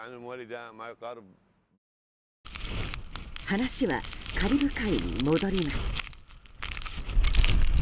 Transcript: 話はカリブ海に戻ります。